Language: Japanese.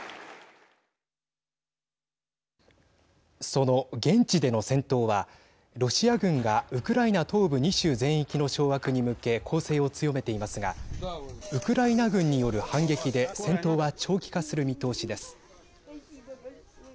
その現地での戦闘はロシア軍がウクライナ東部２州全域の掌握に向け攻勢を強めていますがウクライナ軍による反撃で戦闘は長期化する見通しです。